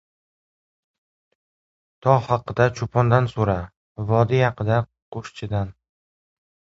• Tog‘ haqida cho‘pondan so‘ra, vodiy haqida — qo‘shchidan.